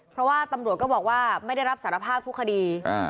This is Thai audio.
เพราะว่าตำรวจก็บอกว่าไม่ได้รับสารภาพทุกคดี